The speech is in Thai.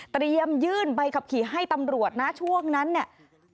ยื่นใบขับขี่ให้ตำรวจนะช่วงนั้นเนี่ย